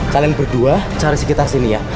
kalian berdua cari sekitar sini ya